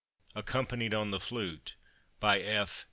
ACCOMPANIED ON THE FLUTE. F.